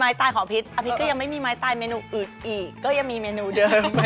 ตายของพิษอาพิษก็ยังไม่มีไม้ตายเมนูอื่นอีกก็ยังมีเมนูเดิม